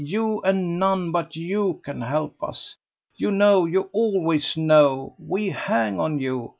You, and none but you, can help us. You know, you always know; we hang on you.